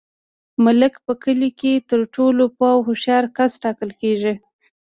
ملک په کلي کي تر ټولو پوه او هوښیار کس ټاکل کیږي.